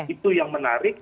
itu yang menarik